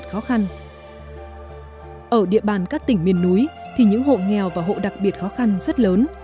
trong các tỉnh miền núi thì những hộ nghèo và hộ đặc biệt khó khăn rất lớn